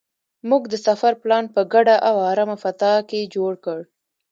موږ د سفر پلان په ګډه او ارامه فضا کې جوړ کړ.